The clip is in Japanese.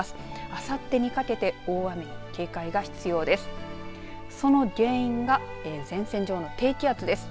あさってにかけて大雨に警戒が必要です。